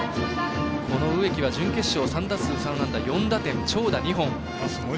植木は準決勝３打数３安打４打点長打２本。